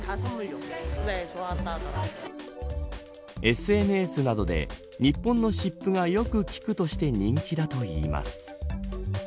ＳＮＳなどで日本の湿布がよく効くとして人気だといいます。